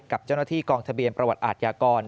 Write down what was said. กับเจ้าหน้าที่กองทะเบียนประวัติอาทยากร